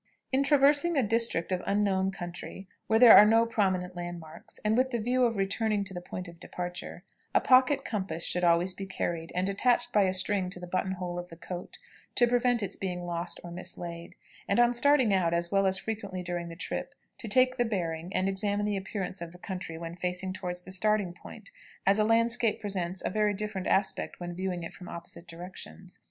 In traversing a district of unknown country where there are no prominent landmarks, and with the view of returning to the point of departure, a pocket compass should always be carried, and attached by a string to a button hole of the coat, to prevent its being lost or mislaid; and on starting out, as well as frequently during the trip, to take the bearing, and examine the appearance of the country when facing toward the starting point, as a landscape presents a very different aspect when viewing it from opposite directions.